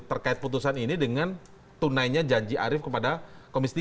terkait putusan ini dengan tunainya janji arief kepada komisi tiga